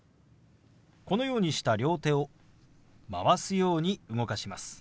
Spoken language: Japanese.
このようにした両手を回すように動かします。